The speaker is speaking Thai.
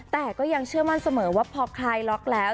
แต่ก็ยังเชื่อมั่นเสมอว่าพอคลายล็อกแล้ว